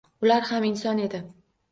Ular ham inson edi